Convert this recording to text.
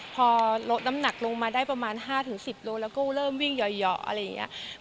พอลดน้ำหนักลงมาได้ประมาณ๕๑๐โลแล้วก็เริ่มวิ่งหย่ออะไรอย่างนี้